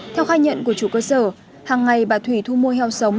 theo khai nhận của chủ cơ sở hàng ngày bà thủy thu mua heo sống